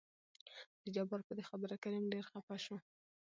د جبار په دې خبره کريم ډېر خپه شو.